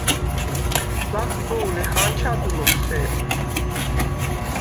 ლახტუ̄ლეხ: “ანჩადუ ლოქ სერ”.